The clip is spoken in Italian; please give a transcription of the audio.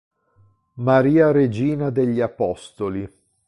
Maria Regina degli apostoli”.